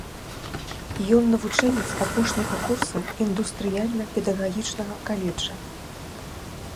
Ён навучэнец апошняга курса індустрыяльна-педагагічнага каледжа.